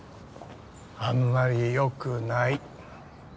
あんまり良くない。